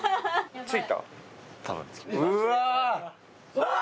うわ。